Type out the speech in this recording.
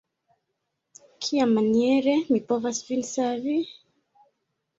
Kiamaniere mi povas vin savi?